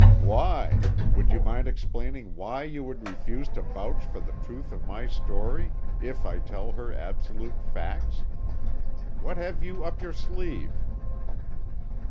"Why? Would you mind explaining why you would refuse to vouch for the truth of my story if I tell her absolute facts? What have you up your sleeve?"